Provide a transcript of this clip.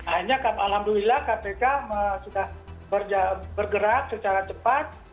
akhirnya alhamdulillah kpk sudah bergerak secara cepat